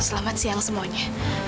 selamat siang semuanya